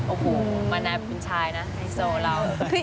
โอ้โหมันแหละคุณชายนะที่โซ่เรา